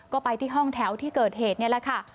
ก็ไปที่ห้องแถวที่เกิดเหตุนี่แหละค่ะ